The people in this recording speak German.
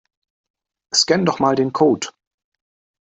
Scanne doch mal den Code.